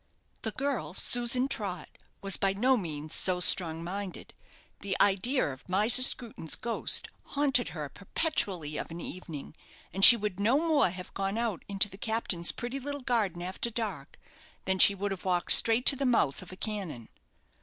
The girl, Susan Trott, was by no means so strong minded. The idea of Miser Screwton's ghost haunted her perpetually of an evening; and she would no more have gone out into the captain's pretty little garden after dark, than she would have walked straight to the mouth of a cannon.